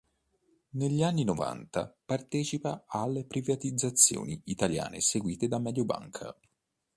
Negli anni novanta partecipa alle privatizzazioni italiane seguite da Mediobanca.